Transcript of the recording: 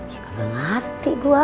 ya gak ngerti gue